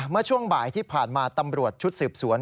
เมื่อช่วงบ่ายที่ผ่านมาตำรวจชุดสืบสวน